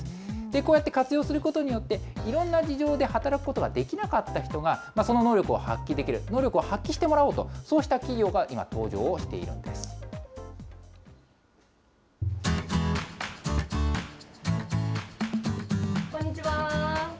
こうやって活用することによって、いろんな事情で働くことができなかった人がその能力を発揮できる、能力を発揮してもらおうと、そうした企業が今、登場しているんでこんにちは。